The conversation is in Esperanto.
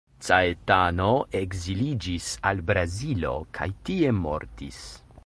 Caetano ekziliĝis al Brazilo kaj tie mortis.